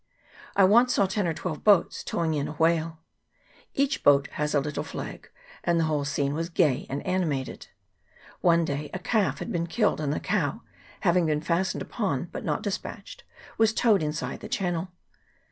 I once saw ten or twelve boats towing in a whale. Each boat had a little flag, and the whole scene was gay and animated. One day a calf had been killed, and the cow, having been fastened upon, but not despatched, was towed inside the channel.